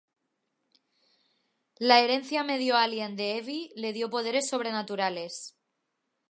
La herencia medio alien de Evie le dio poderes sobrenaturales.